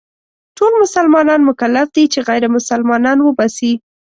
ټول مسلمانان مکلف دي چې غير مسلمانان وباسي.